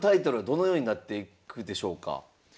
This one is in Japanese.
どのようになっていくでしょうか？